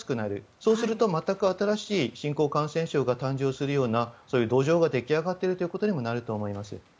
そうすると全く新しい新興感染症が誕生するような土壌が出来上がっていることになると思います。